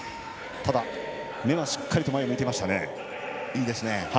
ただ、目がしっかりと前を向いていました。